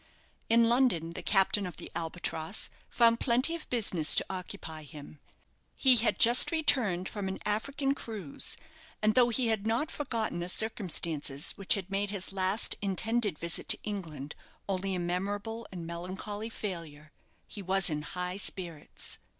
In London the captain of the "Albatross" found plenty of business to occupy him. He had just returned from an African cruise, and though he had not forgotten the circumstances which had made his last intended visit to England only a memorable and melancholy failure, he was in high spirits.